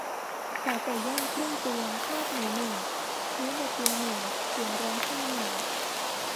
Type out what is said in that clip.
ขอไก่ย่างครึ่งตัว ลาบหมูหนึ่ง เนื้อแดดเดียวหนึ่ง เสือร้องไห้หนึ่ง